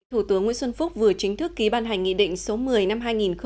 thủ tướng nguyễn xuân phúc vừa chính thức ký ban hành nghị định số một mươi năm hai nghìn một mươi chín